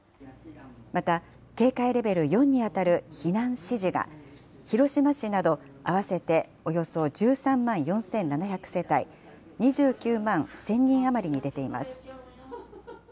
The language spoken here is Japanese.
また、警戒レベル４に当たる避難指示が広島市など合わせておよそ１３万４７００世帯２９万１０００人余りに出ています。